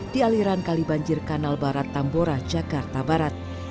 di aliran kali banjir kanal barat tambora jakarta barat